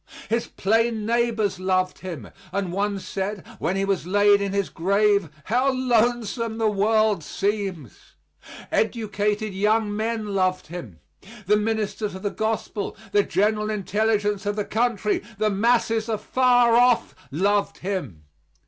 His plain neighbors loved him; and one said, when he was laid in his grave, "How lonesome the world seems!" Educated young men loved him. The ministers of the gospel, the general intelligence of the country, the masses afar oft, loved him.